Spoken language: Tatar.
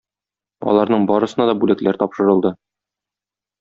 Аларның барысына да бүләкләр тапшырылды.